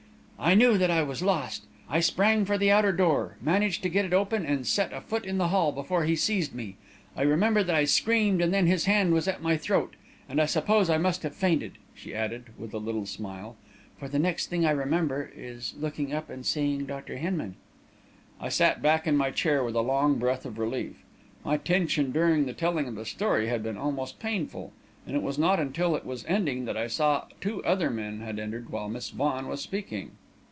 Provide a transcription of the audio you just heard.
"I knew that I was lost. I sprang for the outer door, managed to get it open and set a foot in the hall, before he seized me. I remember that I screamed, and then his hand was at my throat and I suppose I must have fainted," she added, with a little smile, "for the next thing I remember is looking up and seeing Dr. Hinman." I sat back in my chair with a long breath of relief. My tension during the telling of the story had been almost painful; and it was not until it was ended that I saw two other men had entered while Miss Vaughan was speaking.